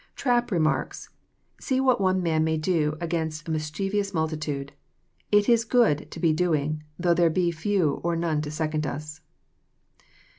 Trapp remarks :'< See what one man may do against a mis chievous multitude. It is good to be doing, though there be few or none to second us."